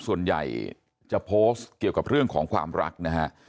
ส่วนใหญ่จะโพสต์เกี่ยวกับเรื่องของความรักนะฮะ